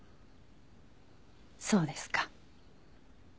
そうですか。